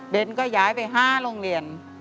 ก็ย้ายไป๕โรงเรียน